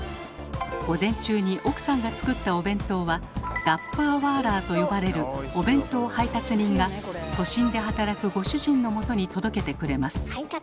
午前中に奥さんが作ったお弁当は「ダッバー・ワーラー」と呼ばれるお弁当配達人が都心で働くご主人のもとに届けてくれます。